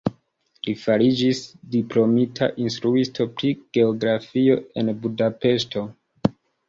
Li fariĝis diplomita instruisto pri geografio en Budapeŝto.